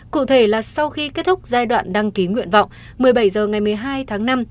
cụ thể là sau khi kết thúc giai đoạn đăng ký nguyện vọng một mươi bảy h ngày một mươi hai tháng năm